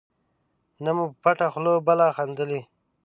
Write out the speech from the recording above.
نه مو په پټه خوله بله خندلي.